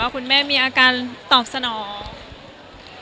คุณแม่มีอาการตอบสนอง